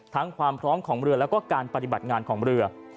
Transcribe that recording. ความพร้อมของเรือแล้วก็การปฏิบัติงานของเรือ